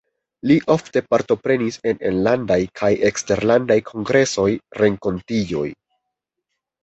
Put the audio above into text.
Li ofte partoprenis en enlandaj kaj eksterlandaj kongresoj, renkontiĝoj.